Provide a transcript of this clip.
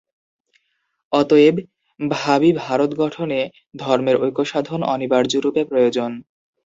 অতএব ভাবী ভারত-গঠনে ধর্মের ঐক্যসাধন অনিবার্যরূপে প্রয়োজন।